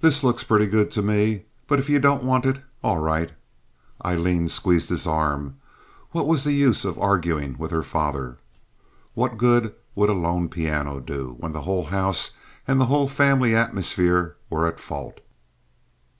This looks pretty good to me, but if you don't want it, all right." Aileen squeezed his arm. What was the use of arguing with her father? What good would a lone piano do, when the whole house and the whole family atmosphere were at fault?